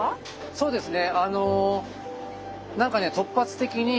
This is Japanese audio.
そうですね。